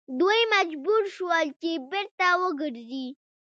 دوی مجبور شول چې بیرته وګرځي.